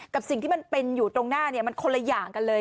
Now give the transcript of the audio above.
กับสิ่งที่มันเป็นอยู่ตรงหน้าเนี่ยมันคนละอย่างกันเลย